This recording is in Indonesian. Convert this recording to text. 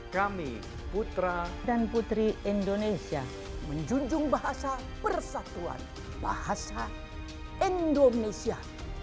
kami putra dan putri indonesia menjunjung bahasa persatuan bahasa indonesia